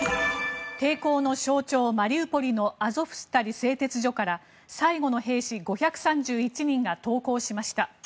抵抗の象徴、マリウポリのアゾフスタリ製鉄所から最後の兵士５３１人が投降しました。